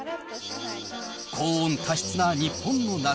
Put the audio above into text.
高温多湿な日本の夏。